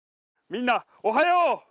みんなおはよう。